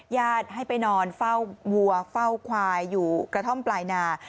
ญาติให้ไปนอนเฝ้าวัวเฝ้าควายอยู่กระท่อมปลายนา